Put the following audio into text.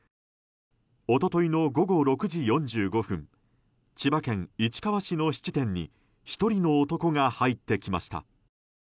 一昨日の午後６時４５分千葉県市川市の質店に１人の男が入ってきました。